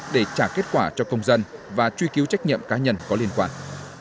để trả kết quả cho công dân và truy cứu trách nhiệm cá nhân có liên quan